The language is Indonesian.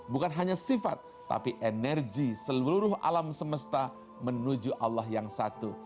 bukan hanya sifat tapi energi seluruh alam semesta menuju allah yang satu